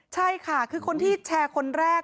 ใช่ค่ะคือคนที่แชร์คนแรก